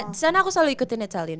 di sana aku selalu ikutin italian